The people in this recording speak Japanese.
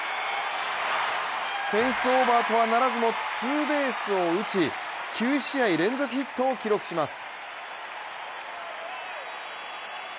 フェンスオーバーとはならずもツーベースを打ち９試合連続ヒットを記録します。